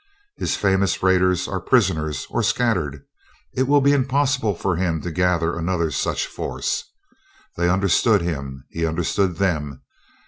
His famous raiders are prisoners, or scattered. It will be impossible for him to gather another such force. They understood him, he understood them.